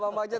pak pak jat